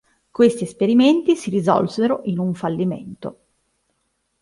Questi esperimenti si risolsero in un fallimento.